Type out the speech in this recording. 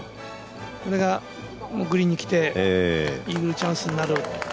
これがグリーンにきてイーグルチャンスになる。